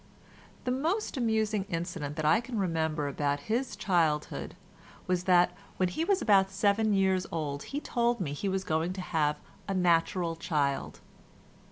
The most amusing incident that I can remember about his childhood was that when he was about seven years old he told me he was going to have a natural child.